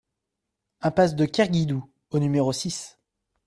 Impasse de Kerguidoue au numéro six